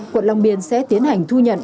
quận long biên sẽ tiến hành thu nhận